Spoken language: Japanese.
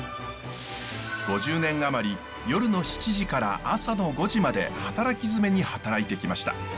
５０年余り夜の７時から朝の５時まで働きづめに働いてきました。